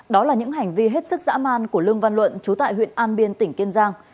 đó là những hành vi hết sức dã man của lương văn luận chú tại huyện an biên tỉnh kiên giang